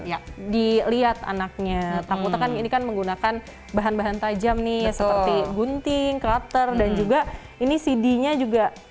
ya dilihat anaknya takutnya kan ini kan menggunakan bahan bahan tajam nih seperti gunting klater dan juga ini cd nya juga